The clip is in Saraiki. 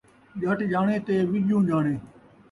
ڄٹ ڄاݨے تے وِڄوں ڄاݨے